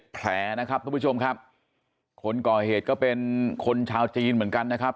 แผลนะครับทุกผู้ชมครับคนก่อเหตุก็เป็นคนชาวจีนเหมือนกันนะครับ